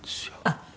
あっ！